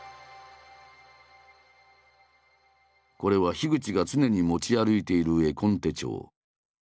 これは口が常に持ち歩いている絵コンテ帳。